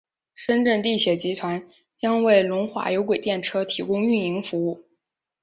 深圳地铁集团将为龙华有轨电车提供运营服务。